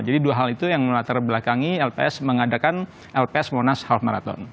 jadi dua hal itu yang melatar belakangi lps mengadakan lps monas health marathon